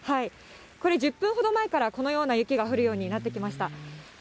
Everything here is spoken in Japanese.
これ１０分ほど前から、このような雪が降るようになってきました。